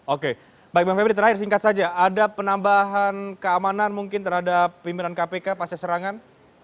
oke baik bang febri terakhir singkat saja ada penambahan keamanan mungkin terhadap pimpinan kpk pasca serangan